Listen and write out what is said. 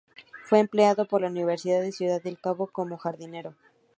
Fue empleado por la Universidad de Ciudad del Cabo como jardinero.